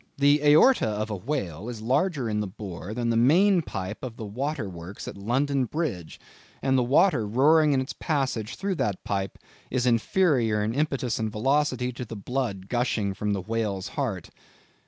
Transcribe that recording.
"The aorta of a whale is larger in the bore than the main pipe of the water works at London Bridge, and the water roaring in its passage through that pipe is inferior in impetus and velocity to the blood gushing from the whale's heart."